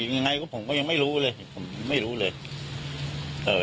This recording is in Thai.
ยังไงก็ผมก็ยังไม่รู้เลยผมไม่รู้เลยเอ่อ